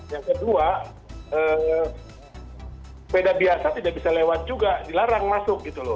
yang kedua sepeda biasa tidak bisa lewat juga dilarang masuk gitu loh